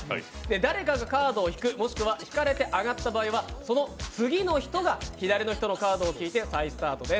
誰かがカードを引く、もしくは引かれて上がった場合はその次の人が左の人のカードを引いて再スタートです。